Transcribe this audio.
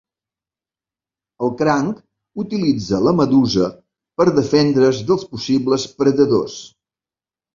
El cranc utilitza la medusa per defendre's dels possibles predadors.